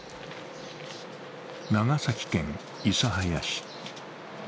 長崎県諫早市。